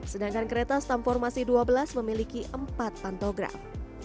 sedangkan kereta stampormasi dua belas memiliki empat pantograf